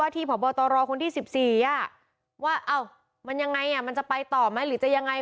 ต่อรอคนที่๑๔อะว่าเอ้ามันยังไงอะมันจะไปต่อไหมหรือจะยังไง